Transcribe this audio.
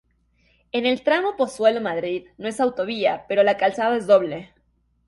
En el tramo Pozuelo-Madrid no es autovía, pero la calzada es doble.